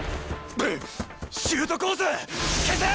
シュートコース消せ！